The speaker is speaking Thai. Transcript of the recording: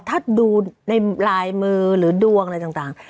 ถ้าดูในลายมือหรือดวงอะไรต่าง